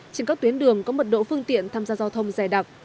trên các tuyến đường có mật độ phương tiện tham gia giao thông dài đặc